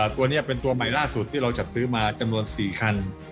ตัวนี้เป็นตัวใหม่ล่าสุดที่เราจัดซื้อมาจำนวน๔คัน